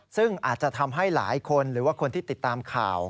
ซึ่งอาจจะทำให้หลายคนหรือว่าคนที่ติดตามข่าว